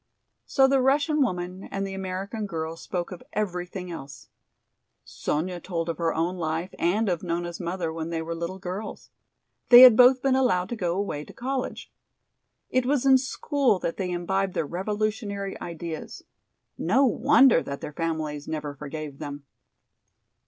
So the Russian woman and the American girl spoke of everything else. Sonya told of her own life and of Nona's mother when they were little girls. They had both been allowed to go away to college. It was in school that they imbibed their revolutionary ideas. No wonder that their families never forgave them!